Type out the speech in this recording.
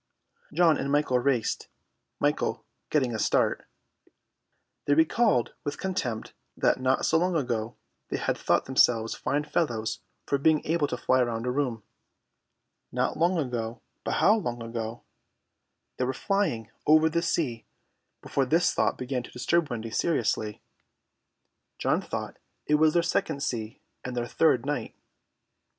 John and Michael raced, Michael getting a start. They recalled with contempt that not so long ago they had thought themselves fine fellows for being able to fly round a room. Not long ago. But how long ago? They were flying over the sea before this thought began to disturb Wendy seriously. John thought it was their second sea and their third night.